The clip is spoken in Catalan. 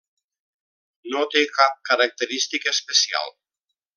No té cap característica especial.